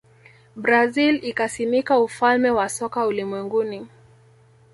brazil ikasimika ufalme wa soka ulimwenguni